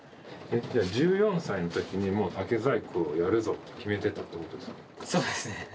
えっじゃあ１４歳の時にもう竹細工をやるぞって決めてたってことですか？